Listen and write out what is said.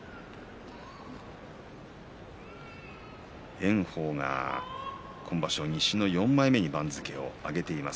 炎鵬が今場所、西の４枚目に番付を上げています。